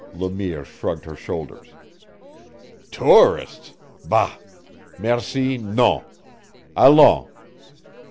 Le Mire shrugged her shoulders. "Tourists? Bah! Merci, non. Allons!"